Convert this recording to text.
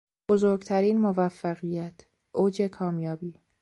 بزرگترین موفقیت، اوج کامیابی